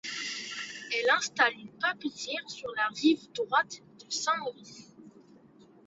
Elle installe une papetière sur la rive droite du Saint-Maurice.